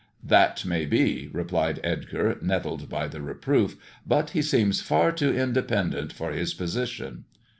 "That may be," replied Edgar, nettled by the reproof, "but he seems far too independent for his position."